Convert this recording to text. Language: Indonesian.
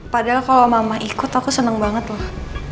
padahal kalau mama ikut aku seneng banget loh